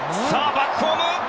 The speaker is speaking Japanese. バックホーム！